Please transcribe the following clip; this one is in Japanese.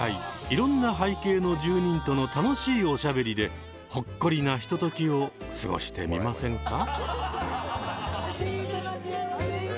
いろんな背景の住人との楽しいおしゃべりでほっこりなひとときを過ごしてみませんか？